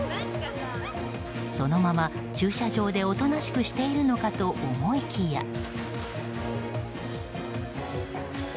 そのまま駐車場でおとなしくしているのかと思いきや。